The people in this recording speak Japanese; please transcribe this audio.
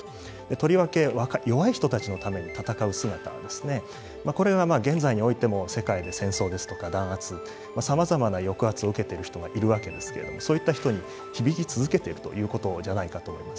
とりわけ、弱い人たちのために戦う姿ですね、これは現在においても、世界で戦争ですとか、弾圧、さまざまな抑圧を受けている人がいるわけですけれども、そういった人に響き続けているということじゃないかと思います。